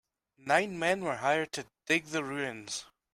Nine men were hired to dig the ruins.